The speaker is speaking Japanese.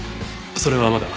それはまだ。